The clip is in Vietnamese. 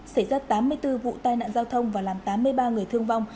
xảy ra tám mươi bốn vụ tai nạn giao thông và làm tám mươi ba người thương vong